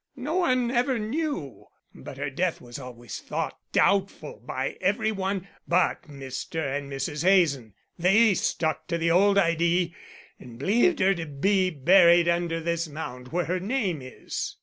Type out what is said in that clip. No one ever knew; but her death was always thought doubtful by every one but Mr. and Mrs. Hazen. They stuck to the old idee and believed her to be buried under this mound where her name is."